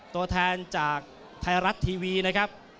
ตัวแทนจากไทยรัฐทีวีนะครับ